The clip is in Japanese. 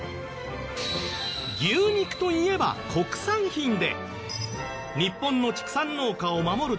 牛肉といえば国産品で。